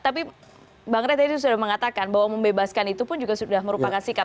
tapi bang ray tadi sudah mengatakan bahwa membebaskan itu pun juga sudah merupakan sikap